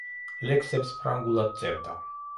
ლექსებს ფრანგულად წერდა.